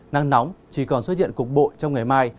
nắng nóng chỉ còn xuất hiện cục bộ trong ngày mai